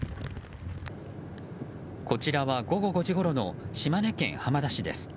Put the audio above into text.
こちらは午後５時ごろの島根県浜田市です。